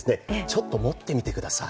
ちょっと持ってみてください。